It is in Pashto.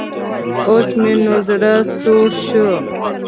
اوس مې نو زړۀ سوړ شو.